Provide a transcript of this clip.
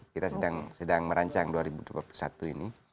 kita sedang merancang dua ribu dua puluh satu ini